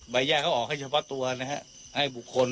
แยกเขาออกให้เฉพาะตัวนะฮะให้บุคคล